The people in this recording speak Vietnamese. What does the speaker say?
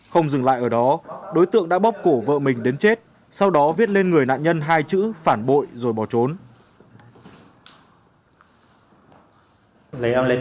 không dừng lại ở đó đối tượng đã bóc cổ vợ mình đến chết sau đó viết lên người nạn nhân hai chữ phản bội rồi bỏ trốn